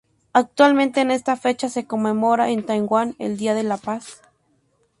Actualmente en esta fecha se conmemora en Taiwán el Día de la Paz.